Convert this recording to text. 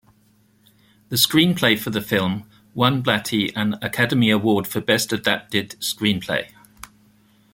The screenplay for the film won Blatty an Academy Award for Best Adapted Screenplay.